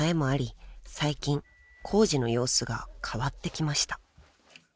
最近コウジの様子が変わってきました］